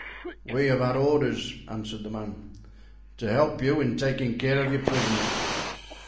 "We have had orders," answered the man, "to help you in taking care of your prisoners."